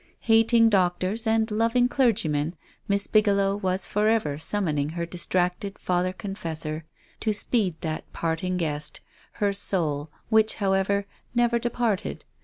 Hating doctors and loving clergymen. Miss Bigelow was forever summoning her distracted father confes sor to speed that parting guest — her soul, which, however, never departed.